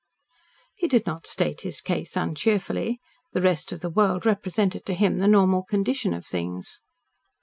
He did not state his case uncheerfully. "The rest of the world" represented to him the normal condition of things.